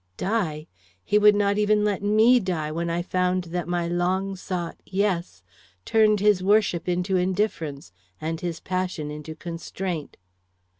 Die? He would not even let me die when I found that my long sought 'Yes' turned his worship into indifference, and his passion into constraint.